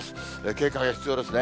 警戒が必要ですね。